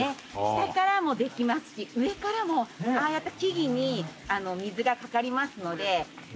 下からもできますし上からもああやって木々に水が掛かりますので上からもできたり。